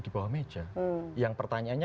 di bawah meja yang pertanyaannya